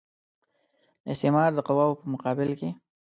د استعمار د قواوو په مقابل کې.